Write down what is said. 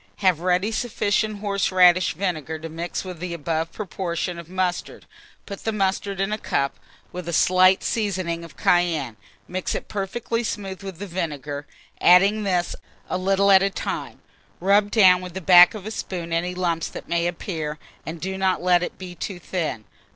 Have ready sufficient horseradish vinegar to mix with the above proportion of mustard; put the mustard in a cup, with a slight seasoning of cayenne; mix it perfectly smooth with the vinegar, adding this a little at a time; rub down with the back of a spoon any lumps that may appear, and do not let it be too thin.